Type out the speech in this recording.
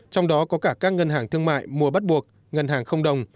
trong đó có cả các ngân hàng thương mại mua bắt buộc ngân hàng không đồng